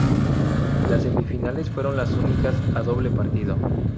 Las semifinales fueron las únicas a doble partido.